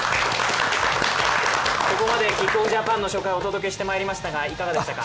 ここまで「ＫＩＣＫＯＦＦ！Ｊ」の初回をお届けしてきましたがいかがでしたか。